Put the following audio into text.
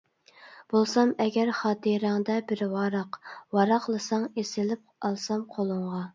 بولسام ئەگەر خاتىرەڭدە بىر ۋاراق، ۋاراقلىساڭ ئېسىلىپ ئالسام قولۇڭغا.